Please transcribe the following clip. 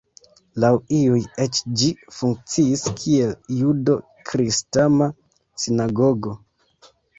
Laŭ iuj eĉ ĝi funkciis kiel judo-kristama sinagogo.